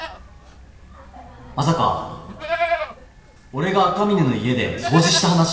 まさか俺が赤嶺の家で掃除した話？